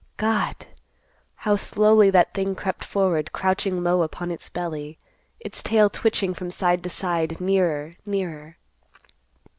God! How slowly that thing crept forward, crouching low upon its belly, its tail twitching from side to side, nearer, nearer.